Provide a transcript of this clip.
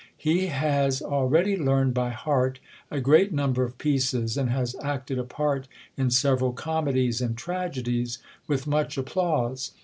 He has already learned by heart a great number of pieces, and has acted a part in several comedies and tragedies with much applause.